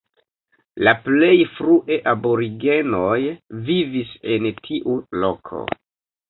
La plej frue aborigenoj vivis en tiu loko.